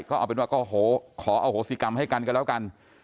ก็เอาเป็นว่าก็ขออโหสิกรรมให้กันกันแล้วกัน